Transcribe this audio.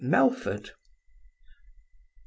MELFORD Nov.